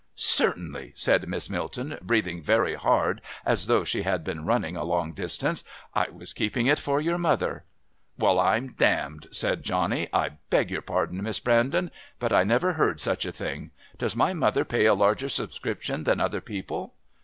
"Certainly," said Miss Milton, breathing very hard as though she had been running a long distance. "I was keeping it for your mother." "Well, I'm damned," said Johnny. "I beg your pardon, Miss Brandon,...but I never heard such a thing. Does my mother pay a larger subscription than other people?"